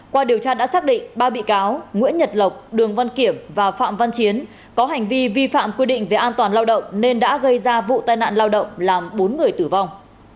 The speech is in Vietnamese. qua điều tra đã xác định ba bị cáo nguyễn nhật lộc đường văn kiểm và phạm văn chiến có hành vi vi phạm quy định về an toàn lao động nên đã gây ra vụ tai nạn lao động làm bốn người tử vong